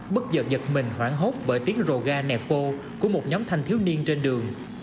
bất giật giật mình hoảng hốt bởi tiếng rồ ga nẹp bô của một nhóm thanh thiếu niên trên đường